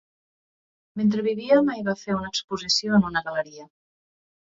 Mentre vivia mai va fer una exposició en una gal.leria.